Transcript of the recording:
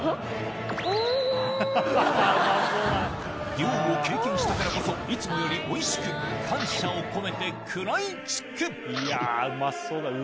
漁を経験したからこそいつもよりおいしく感謝を込めて食らい付くうまそう。